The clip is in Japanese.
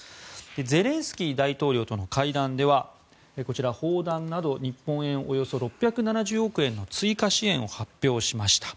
ゼレンスキー大統領との会談ではこちら、砲弾など日本円でおよそ６７０億円の追加支援を発表しました。